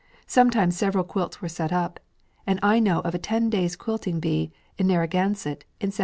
Sometimes several quilts were set up, and I know of a ten days' quilting bee in Narragansett in 1752."